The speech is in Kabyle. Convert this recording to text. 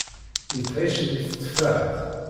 Yettεic deg teteffaḥt.